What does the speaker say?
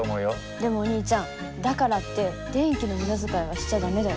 でもお兄ちゃんだからって電気の無駄遣いはしちゃ駄目だよ。